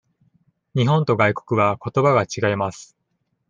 日本と外国はことばが違います。